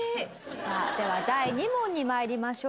さあでは第２問に参りましょう。